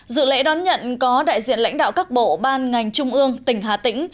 dự lễ đón nhận có đại diện lãnh đạo các bộ ban ngành trung ương tỉnh hà tĩnh